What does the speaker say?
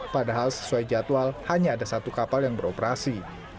padahal sesuai jadwal hanya ada satu kapal yang beroperasi